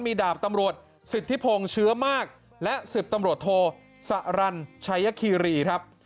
มีดาบตำรวจสิทธิพงเชื้อมากและสิบตำรวจโทสะรัญชายคีรี